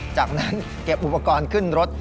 จากนั้นเก็บอุปกรณ์ขึ้นรถ